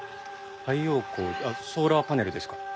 太陽光ソーラーパネルですか？